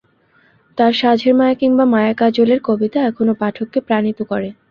তাঁর সাঁঝের মায়া কিংবা মায়া কাজল-এর কবিতা এখনো পাঠককে প্রাণিত করে।